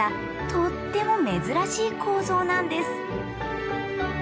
とっても珍しい構造なんです。